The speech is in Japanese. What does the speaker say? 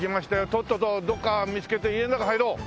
とっととどっか見つけて家の中入ろう！